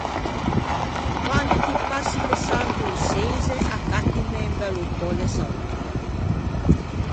Quande ti passi pe Sant'Orçeise accattime un bello pö de salamme.